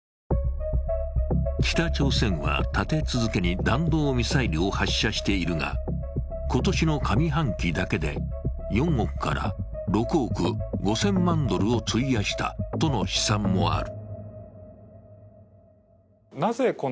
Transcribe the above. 北朝鮮は立て続けに弾道ミサイルを発射しているが、今年の上半期だけで４億から６億５０００万ドルを費やしたとの試算もある。